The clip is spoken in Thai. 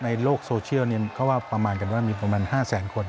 ในโลกโซเชียลเขาว่าประมาณกันว่ามีประมาณ๕แสนคน